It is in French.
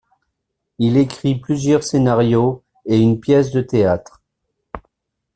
Il écrit plusieurs scénarios et une pièce de théâtre.